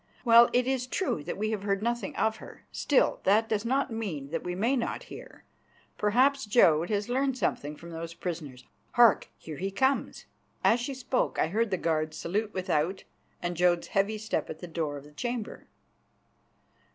Well, it is true that we have heard nothing of her. Still, that does not mean that we may not hear. Perhaps Jodd has learned something from those prisoners. Hark! he comes." As she spoke I heard the guards salute without and Jodd's heavy step at the door of the chamber.